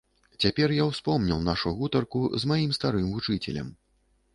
Цяпер я ўспомніў нашу гутарку з маім старым вучыцелем.